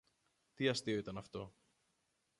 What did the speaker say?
Τι αστείο ήταν αυτό